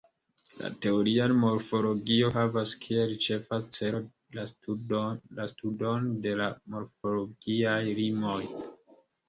La teoria morfologio havas kiel ĉefa celo la studon de la morfologiaj limoj.